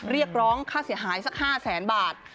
เรียกร้องค่าเสียหายสัก๕แสนบาท